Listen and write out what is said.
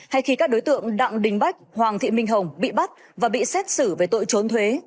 hay khi các đối tượng đặng đình bách hoàng thị minh hồng bị bắt và bị xét xử về tội trốn thuế